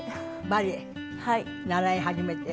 バレエ習い始めて。